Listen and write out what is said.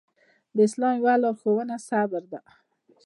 د اسلام يوه لارښوونه صبر ده.